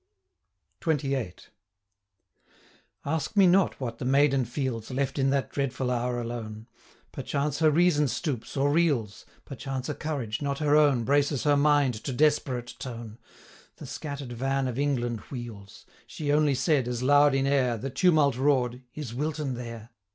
XXVIII. Ask me not what the maiden feels, Left in that dreadful hour alone: 845 Perchance her reason stoops, or reels; Perchance a courage, not her own, Braces her mind to desperate tone. The scatter'd van of England wheels; She only said, as loud in air 850 The tumult roar'd, 'Is Wilton there?'